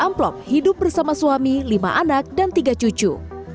amplop hidup bersama suami lima anak dan tiga cucu